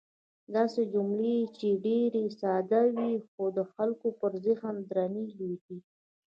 داسې جملې چې ډېرې ساده وې، خو د خلکو پر ذهن درنې لوېدې.